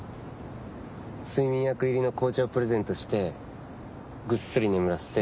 睡眠薬入りの紅茶をプレゼントしてぐっすり眠らせて。